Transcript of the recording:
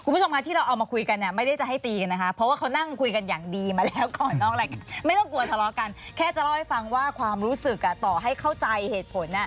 ไม่ต้องกลัวทะเลาะกันแค่จะเล่าให้ฟังว่าความรู้สึกต่อให้เข้าใจเหตุผล